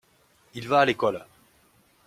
Il va à l’école.